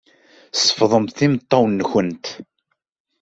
Sefḍemt imeṭṭawen-nwent.